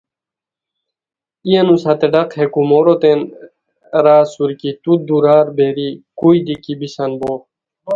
ای انوسو ہتے ڈاق ہے کوموروتین را اسور کی تو دورار بیری کوئی دی کیبیسان بو